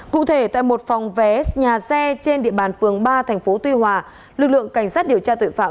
cụ thể tại một phòng vé nhà xe trên địa bàn phường ba thành phố tuy hòa lực lượng cảnh sát điều tra tội phạm